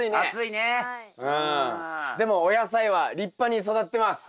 でもお野菜は立派に育ってます。